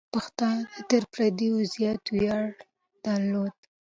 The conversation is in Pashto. پښتانه تر پردیو زیات ویاړ درلود.